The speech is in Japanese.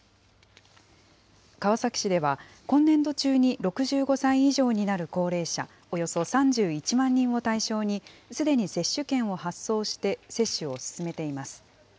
川崎市では、今年度中に６５歳以上になる高齢者およそ３１万人を対象に、すでに接種券を発送して接種を進めています。